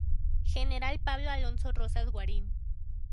General Pablo Alfonso Rosas Guarín.